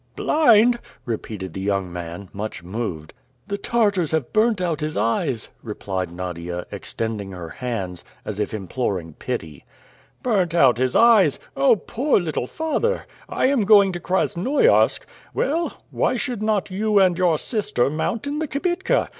"Blind!" repeated the young man, much moved. "The Tartars have burnt out his eyes!" replied Nadia, extending her hands, as if imploring pity. "Burnt out his eyes! Oh! poor little father! I am going to Krasnoiarsk. Well, why should not you and your sister mount in the kibitka?